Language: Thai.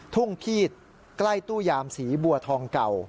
ทุ่งขีดใกล้ตู้ยามสีบัวทองเก่า